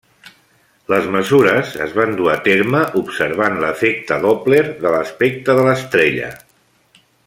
Les mesures es van dur a terme observant l'efecte Doppler de l'espectre de l'estrella.